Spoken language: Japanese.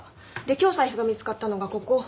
で今日財布が見つかったのがここ。